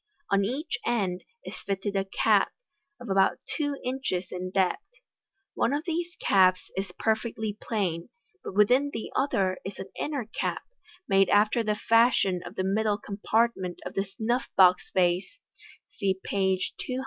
On either end is fitted a cap, of about two inches in depth. One of these caps is perfectly plain, but within the other is an inner cap, made after the fashion of the middle com partment of the snuff box vase (see page 217).